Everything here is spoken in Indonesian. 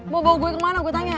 mau bawa gue kemana gue tanya